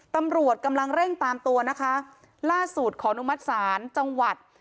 ตำรวจกำลังเร่งตามตัวนะคะล่าสุดขออนุมัติศาลจังหวัด